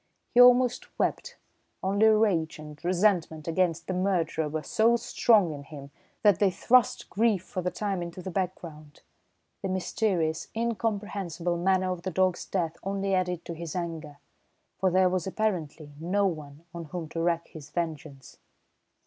He almost wept, only rage and resentment against the murderer were so strong in him that they thrust grief for the time into the background. The mysterious, incomprehensible manner of the dog's death only added to his anger, for there was apparently no one on whom to wreak his vengeance.